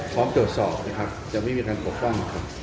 พร้อมโดยสอบนะครับจะไม่มีการปกป้องนะครับ